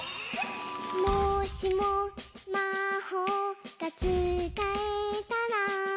「もしもまほうがつかえたら」